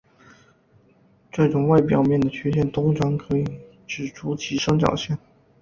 这种外表面的缺陷通常可以指出其生长线。